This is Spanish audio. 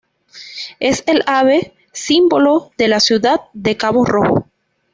Es el ave símbolo de la ciudad de Cabo Rojo.